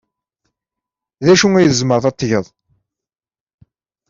D acu ay tzemred ad t-tged?